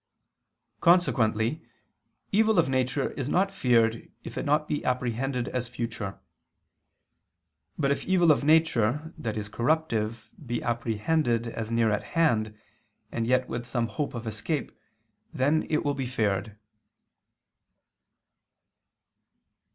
Consequently evil of nature is not feared if it be not apprehended as future: but if evil of nature, that is corruptive, be apprehended as near at hand, and yet with some hope of escape, then it will be feared.